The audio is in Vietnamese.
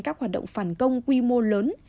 các hoạt động phản công quy mô lớn